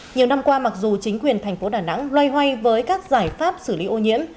nhiều năm qua mặc dù chính quyền thành phố đà nẵng loay hoay với các giải pháp xử lý ô nhiễm